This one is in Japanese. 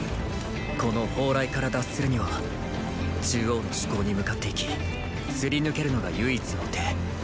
この“包雷”から脱するには中央の主攻に向かって行きすり抜けるのが唯一の手。